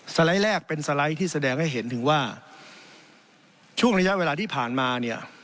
ไลด์แรกเป็นสไลด์ที่แสดงให้เห็นถึงว่าช่วงระยะเวลาที่ผ่านมาเนี่ย